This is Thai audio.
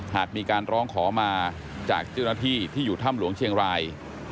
หากมีการร้องขอมาจากเจ้าหน้าที่ที่อยู่ถ้ำหลวงเชียงราย